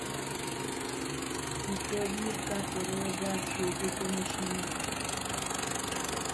Está enterrado en su pueblo natal.